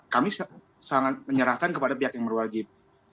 kami sangat menyerahkan kepada pihak yang berwajib